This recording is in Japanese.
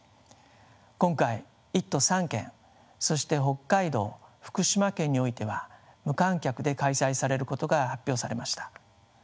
今回１都３県そして北海道福島県においては無観客で開催されることが発表されました。